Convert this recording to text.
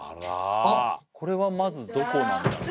これはまずどこなんだろう。